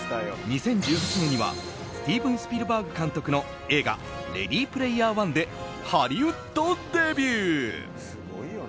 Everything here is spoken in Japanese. ２０１８年にはスティーブン・スピルバーグ監督の「レディ・プレイヤー１」でハリウッドデビュー。